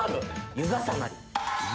湯重なり？